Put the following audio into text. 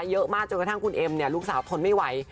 เยอะมากจนกระทั่งคุณเอ็มเนี่ยลูกสาวทนไม่ไหว